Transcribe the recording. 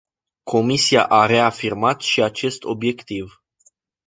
Comisia a reafirmat și acest obiectiv.